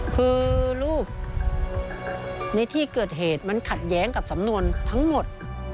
คือรูปในที่เกิดเหตุมันขัดแย้งกับสำนวนทั้งหมด